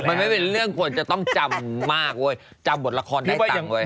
มันไม่เป็นเรื่องควรจะต้องจำมากเว้ยจำบทละครได้ตังค์เว้ย